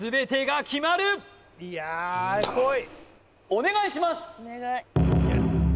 お願いします！